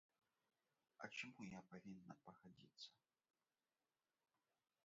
А чаму я павінна пагадзіцца?